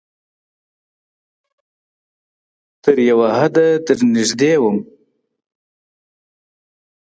تر یو حده درنږدې وم